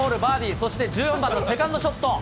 そして１４番のセカンドショット。